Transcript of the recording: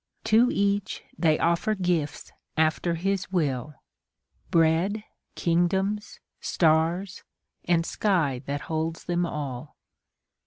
To each they offer gifts after his will, Bread, kingdoms, stars, and sky that holds them all.